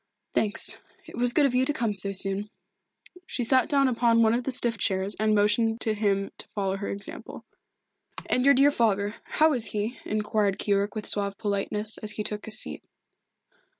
"Thanks. It was good of you to come so soon." She sat down upon one of the stiff chairs and motioned to him to follow her example. "And your dear father how is he?" inquired Keyork with suave politeness, as he took his seat.